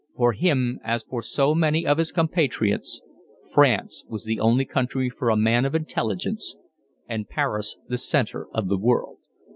For him, as for so many of his compatriots, France was the only country for a man of intelligence and Paris the centre of the world.